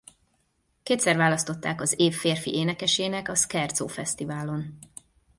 Kétszer választották az év férfi énekesének a Scherzo fesztiválon.